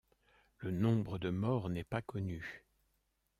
Le nombre de morts n'est pas connu.